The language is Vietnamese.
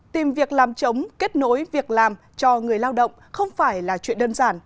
tìm việc làm chống kết nối việc làm cho người lao động không phải là chuyện đơn giản